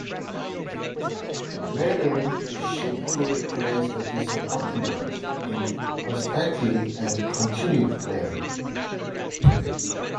Later she could place the disappointment in perspective and continued playing.